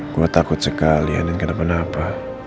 gue takut sekali andien kenapa napa